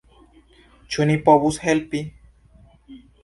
Ĉu ni povus helpi?